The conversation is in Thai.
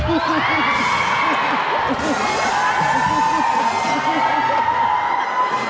อืม